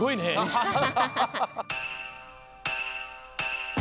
アハハハハ！